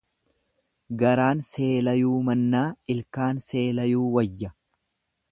Garaan seelayuu mannaa ilkaan seelayuu wayya.